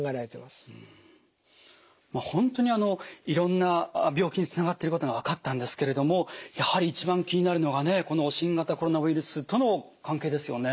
本当にいろんな病気につながっていることが分かったんですけれどもやはり一番気になるのがね新型コロナウイルスとの関係ですよね。